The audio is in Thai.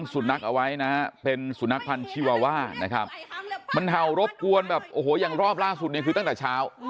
สุนัขเอาไว้นะฮะเป็นสุนัขพันธ์ชีวาว่านะครับมันเห่ารบกวนแบบโอ้โหอย่างรอบล่าสุดเนี่ยคือตั้งแต่เช้า